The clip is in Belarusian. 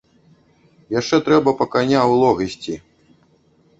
Яшчэ трэба па каня ў лог ісці.